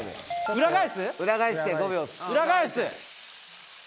裏返す。